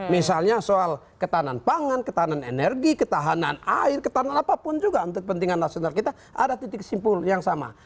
misalnya soal ketahanan pangan ketahanan energi ketahanan air ketahanan apapun juga untuk kepentingan nasional kita ada titik simpul yang sama